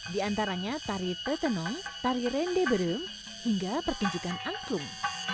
di antaranya tari tetanong tari rendeberum hingga perkejukan angklung